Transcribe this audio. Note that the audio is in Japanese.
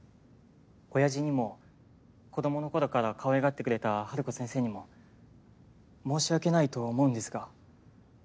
親父にも子供のころからかわいがってくれたハルコ先生にも申し訳ないと思うんですが。